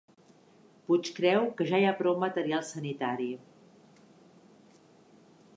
Puig creu que ja hi ha prou material sanitari